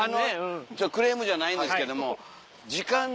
クレームじゃないんですけども。